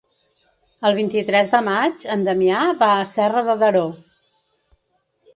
El vint-i-tres de maig en Damià va a Serra de Daró.